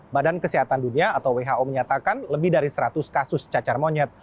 badan kesehatan dunia atau who menyatakan lebih dari seratus kasus cacar monyet